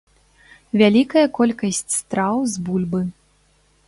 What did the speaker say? Вялікая колькасць страў з бульбы.